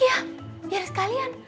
iya biar sekalian